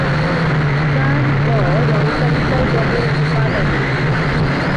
কার ব রঙতালিকায় বলে "বাদামী"।